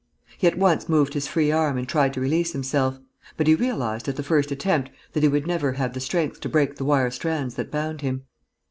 He at once moved his free arm and tried to release himself; but he realized, at the first attempt, that he would never have the strength to break the wire strands that bound him.